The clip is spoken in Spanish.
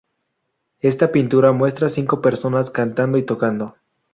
Esta pintura muestra cinco personas cantando y tocando.